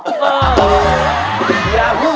พี่หอยคิดถึงอัปเดตมากเลยนะพี่หอยบอก